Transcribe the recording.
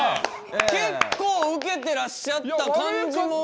結構ウケてらっしゃった感じも。